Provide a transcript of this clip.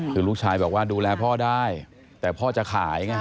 คือลูกชายบอกว่าดูแลพ่อได้แต่พ่อจะขายไง